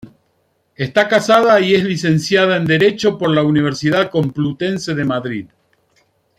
Está casada y es licenciada en Derecho por la Universidad Complutense de Madrid.